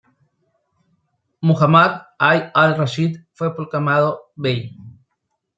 Muhammad I al-Rashid fue proclamado bey.